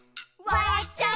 「わらっちゃう」